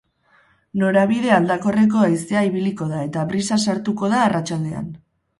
Norabide aldakorreko haizea ibiliko da eta brisa sartuko da arratsaldean.